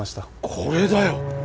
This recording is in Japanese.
これだよ！